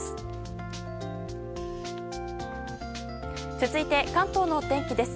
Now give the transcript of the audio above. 続いて関東の天気です。